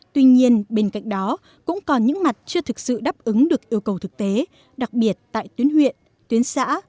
tuy nhiên bên cạnh đó cũng còn những mặt chưa thực sự đáp ứng được yêu cầu thực tế đặc biệt tại tuyến huyện tuyến xã